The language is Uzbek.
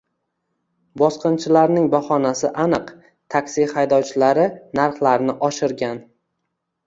Bosqinchilarning bahonasi aniq - taksi haydovchilari narxlarni oshirgan